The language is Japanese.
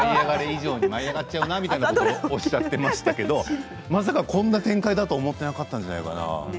以上に舞い上がっちゃうとおっしゃってましたけれどまさかこんな展開だと思ってなかったんじゃないかな。